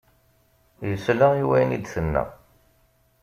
Yesla i wayen i d-tenna.